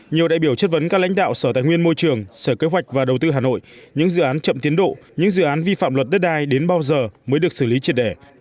nhiều đại biểu chất vấn các lãnh đạo sở tài nguyên môi trường sở kế hoạch và đầu tư hà nội những dự án chậm tiến độ những dự án vi phạm luật đất đai đến bao giờ mới được xử lý triệt đẻ